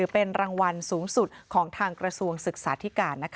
โปรดติดตามตอนต่อไป